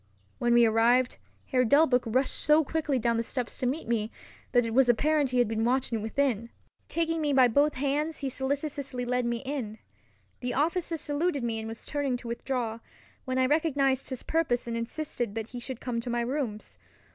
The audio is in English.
When we arrived, Herr Delbruck rushed so quickly down the steps to meet me, that it was apparent he had been watching within. Taking me by both hands he solicitously led me in. The officer saluted me and was turning to withdraw, when I recognized his purpose and insisted that he should come to my rooms.